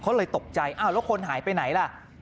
เขาเลยตกใจอ้าวแล้วคนหายไปไหนล่ะ